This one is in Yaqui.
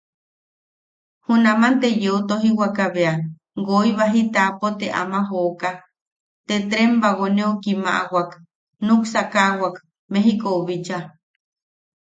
Junaman te yeu tojiwaka bea woi baji taʼapo te ama joka, te tren bagoneu kimaʼawak, nuksakaʼawak Mejikou bicha.